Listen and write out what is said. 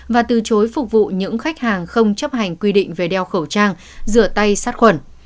và từ chối phục vụ những khách hàng không chấp hành quy định về đeo khẩu trang rửa tay sát khuẩn